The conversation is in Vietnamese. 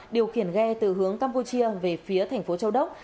điều khiển ghe từ hướng campuchia về phía thành phố châu đốc